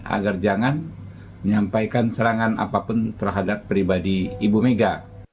agar jangan menyampaikan serangan apapun terhadap pribadi ibu mega